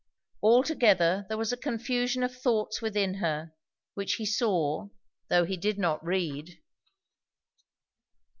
Altogether there was a confusion of thoughts within her, which he saw, though he did not read.